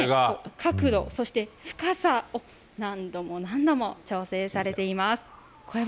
角度、そして深さ、何度も何度も調整されています。